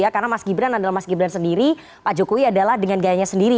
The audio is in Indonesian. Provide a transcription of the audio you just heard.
karena mas gibran adalah mas gibran sendiri pak jokowi adalah dengan gayanya sendiri